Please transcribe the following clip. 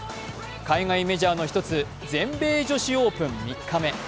海外メジャーの１つ、全米女子オープン３日目。